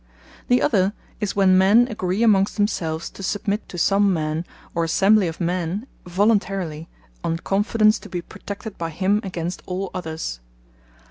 The other, is when men agree amongst themselves, to submit to some Man, or Assembly of men, voluntarily, on confidence to be protected by him against all others.